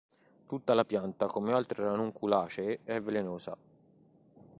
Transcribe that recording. Tutta la pianta come altre “ranunculaceae” è velenosa.